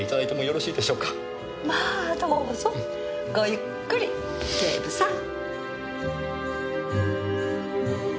まあどうぞごゆっくり警部さん。